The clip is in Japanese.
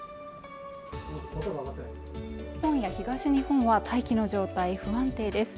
今夜東日本は大気の状態不安定です